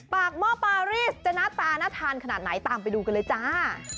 หม้อปารีสจะหน้าตาน่าทานขนาดไหนตามไปดูกันเลยจ้า